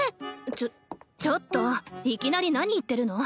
ちょちょっといきなり何言ってるの？